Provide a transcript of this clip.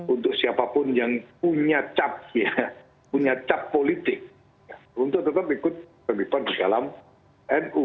untuk siapapun yang punya cap ya punya cap politik untuk tetap ikut terlibat di dalam nu